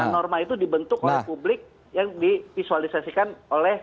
norma itu dibentuk oleh publik yang divisualisasikan oleh